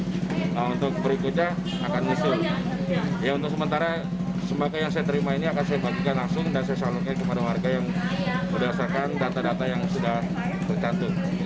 ya untuk sementara sembako yang saya terima ini akan saya bagikan langsung dan saya salurkan kepada warga yang berdasarkan data data yang sudah tercatat